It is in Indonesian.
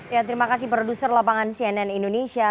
ya terima kasih produser lapangan cnn indonesia